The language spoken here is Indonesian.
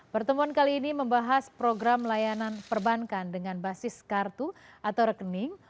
pertemuan kali ini membahas program layanan perbankan dengan basis kartu atau rekening